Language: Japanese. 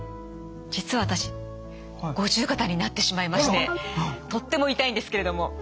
実は私五十肩になってしまいましてとっても痛いんですけれども。